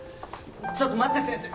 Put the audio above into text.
ちょっと待って先生！